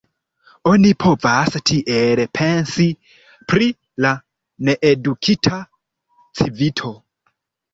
Oni povas tiel pensi pri la needukita civito.